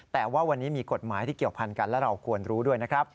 แต่ว่าวันนี้มีกฎหมายที่เกี่ยวพันกันและเราควรรู้ด้วยนะครับ